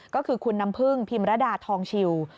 ก็คือคุณน้ำพึ่งพิมรดาทองชิว